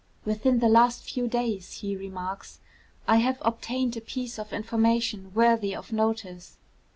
'Within the last few days,' he remarks, 'I have obtained a piece of information worthy of notice.